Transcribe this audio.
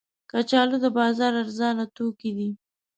کچالو د بازار ارزانه توکي دي